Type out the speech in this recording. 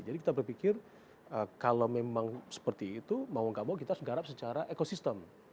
kita berpikir kalau memang seperti itu mau gak mau kita harus garap secara ekosistem